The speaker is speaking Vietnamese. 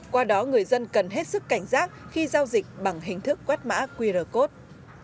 qua đó người dân cần hết sức cảnh giác khi giao dịch bằng hình thức quét mã qr code